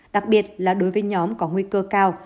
đặc biệt là đối với nhóm có nguy cơ cao